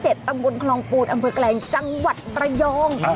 ตำบลคลองปูนอำเภอแกลงจังหวัดระยอง